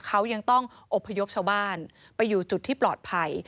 เขายังต้องอบพยพชาวบ้านไปอยู่จุดที่ปลอดภัย